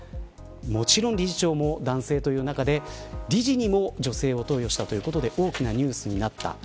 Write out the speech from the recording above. もちろん理事長も男性という中で理事にも女性を登用ということで大きなニュースになった。